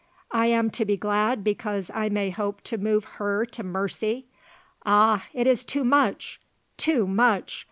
I am to be glad because I may hope to move her to mercy! Ah! it is too much! too much!